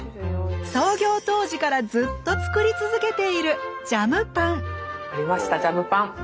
創業当時からずっとつくり続けている「ジャムパン」ありましたジャムパン。